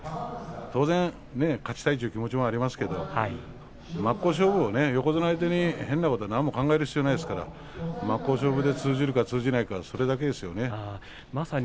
当然、勝ちたいという気持ちもありますけど真っ向勝負を横綱相手に変なことを考える必要はありませんから真っ向勝負で通じるか通じないかそれだけです。